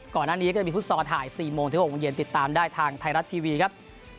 ก่อนหน้านี้ก็จะมีฟุตซอลถ่าย๔โมงถึง๖โมงเย็นติดตามได้ทางไทยรัฐทีวีครับ